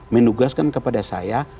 menugaskan kepada saya